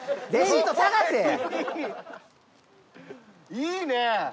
いいね！